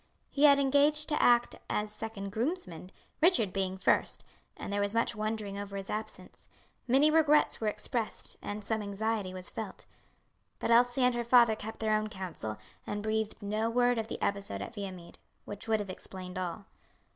He had engaged to act as second groomsman, Richard being first, and there was much wondering over his absence; many regrets were expressed, and some anxiety was felt. But Elsie and her father kept their own counsel, and breathed no word of the episode at Viamede, which would have explained all.